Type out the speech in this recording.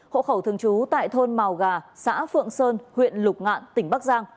sáu mươi hộ khẩu thường trú tại thôn màu gà xã phượng sơn huyện lục ngạn tỉnh bắc giang